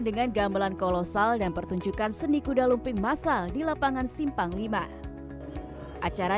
dengan gamelan kolosal dan pertunjukan seni kuda lumping masal di lapangan simpang v acara